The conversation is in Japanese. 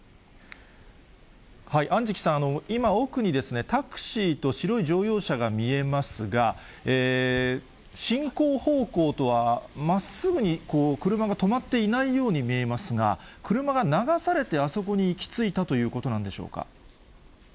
安食さん、今、奥にタクシーと白い乗用車が見えますが、進行方向とはまっすぐに車が止まっていないように見えますが、車が流されて、あそこに行き着いたということなんでしょうか。